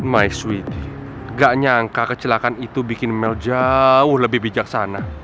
my sweet gak nyangka kecelakaan itu bikin mel jauh lebih bijaksana